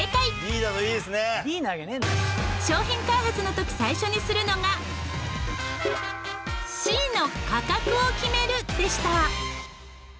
商品開発の時最初にするのがＣの「価格を決める」でした。